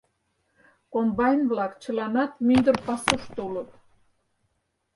Комбайн-влак чыланат мӱндыр пасушто улыт.